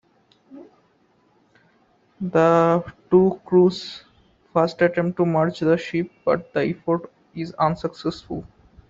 The two crews first attempt to merge the ships, but the effort is unsuccessful.